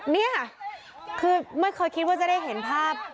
นี่ค่ะคือไม่เคยคิดว่าจะได้เห็นภาพ